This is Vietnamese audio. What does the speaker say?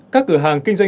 các cửa hàng kinh doanh